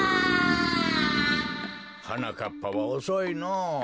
はなかっぱはおそいのぉ。